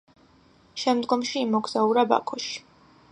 შემდგომში იმოგზაურა ბაქოში.